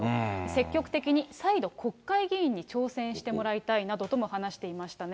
積極的に再度、国会議員に挑戦してもらいたいなどとも話していましたね。